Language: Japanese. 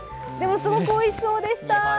すごくおいしそうでした。